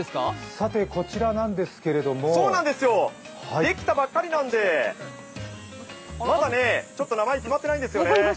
さてこちらなんですけどできたばっかりなんでまだ名前決まってないんですよね。